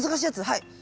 はい。